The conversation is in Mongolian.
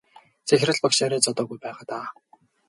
Захирал багш арай зодоогүй байгаа даа.